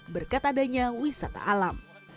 berkat adanya wisata alam